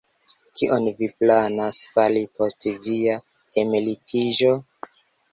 Kion vi planas fari post via emeritiĝo?